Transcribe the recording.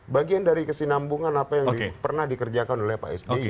bagian dari kesinambungan apa yang pernah dikerjakan oleh pak sby